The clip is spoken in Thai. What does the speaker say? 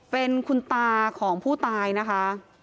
เป็นคุณตาของผู้ตายนะคะ